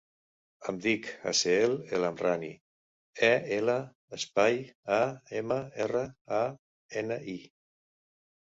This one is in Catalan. Em dic Aseel El Amrani: e, ela, espai, a, ema, erra, a, ena, i.